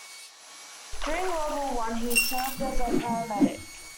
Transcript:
During World War One he served as a paramedic.